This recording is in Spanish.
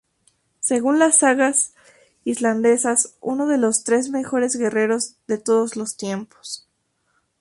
Según las sagas islandesas uno de los tres mejores guerreros de todos los tiempos.